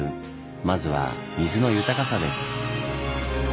まずは「水の豊かさ」です。